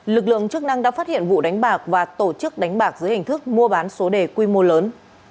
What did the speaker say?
lực lượng chức năng đã phát hiện vụ đánh bạc và tổ chức đánh bạc dưới hình thức mua bán số đề quy mô lớn